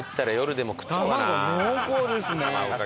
卵濃厚ですね。